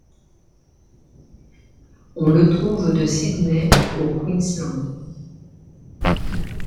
On le trouve de Sydney au Queensland.